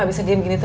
loh tapi nanti